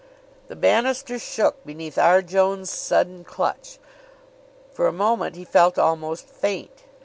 The banister shook beneath R. Jones' sudden clutch. For a moment he felt almost faint.